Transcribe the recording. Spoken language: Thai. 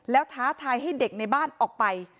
แล้วท้าทายให้เด็กในบ้านออกไป